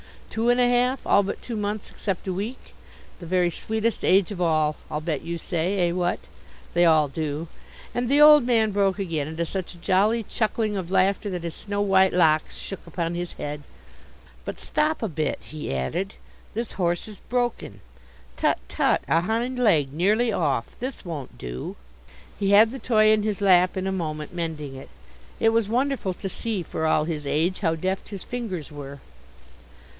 Two and a half all but two months except a week? The very sweetest age of all, I'll bet you say, eh, what? They all do!" And the old man broke again into such a jolly chuckling of laughter that his snow white locks shook upon his head. "But stop a bit," he added. "This horse is broken. Tut, tut, a hind leg nearly off. This won't do!" He had the toy in his lap in a moment, mending it. It was wonderful to see, for all his age, how deft his fingers were.